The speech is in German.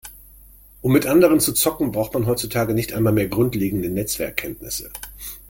Um mit anderen zu zocken, braucht man heutzutage nicht einmal mehr grundlegende Netzwerkkenntnisse.